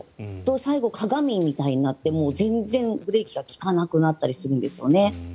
最後、鏡みたいになって全然ブレーキが利かなくなったりするんですね。